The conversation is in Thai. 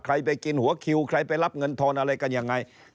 ไปกินหัวคิวใครไปรับเงินทอนอะไรกันยังไง